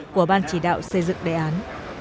của ban chỉ đạo xây dựng đề án